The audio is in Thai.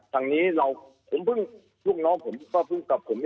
ทางนี้ลูกน้องผมก็พึ่งกับผม